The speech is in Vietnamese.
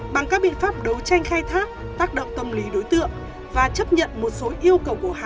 bằng các biện pháp đấu tranh khai thác tác động tâm lý đối tượng